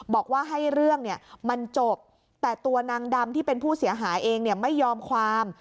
บอกว่าให้เรื่องมันจบแต่ตัวนางดำที่เป็นผู้เสียหายเองไม่ยอมความ